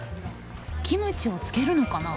キムチを漬けるのかな？